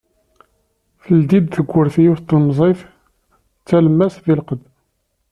Teldi-d tawwurt yiwet n tlemẓit d talemmast di lqedd.